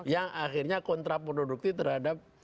yang akhirnya kontraproduktif terhadap